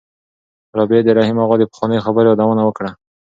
رابعې د رحیم اغا د پخوانیو خبرو یادونه وکړه.